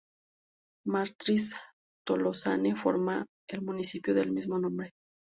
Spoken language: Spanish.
Martres-Tolosane forma el municipio del mismo nombre.